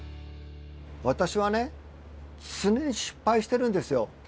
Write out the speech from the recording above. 私はね常に失敗してるんですよ。